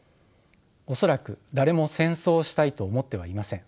恐らく誰も戦争をしたいと思ってはいません。